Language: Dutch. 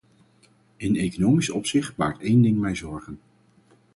In economisch opzicht baart één ding mij zorgen.